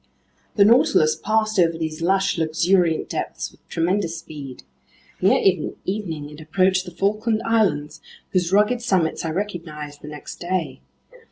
The Nautilus passed over these lush, luxuriant depths with tremendous speed. Near evening it approached the Falkland Islands, whose rugged summits I recognized the next day.